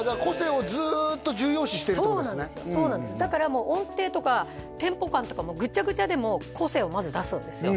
もう音程とかテンポ感とかグチャグチャでも個性をまず出すんですよ